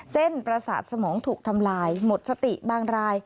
ประสาทสมองถูกทำลายหมดสติบางราย